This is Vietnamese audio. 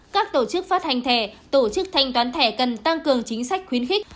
các tổ chức phát hành thẻ tổ chức thanh toán thẻ cần tăng cường chính sách khuyến khích